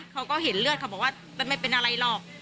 เขาก็เห็นเลือดเขาบอกว่าไม่เป็นอะไรหรอก